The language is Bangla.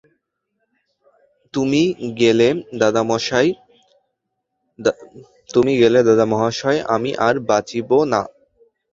তুমি গেলে দাদামহাশয়, আমি আর বাঁচিব না।